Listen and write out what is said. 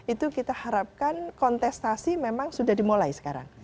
itu kita harapkan kontestasi memang sudah dimulai sekarang